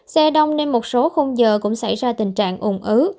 xe đông nên một số khung giờ cũng xảy ra tình trạng ủng ứ